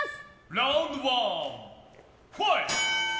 ラウンドワンファイト！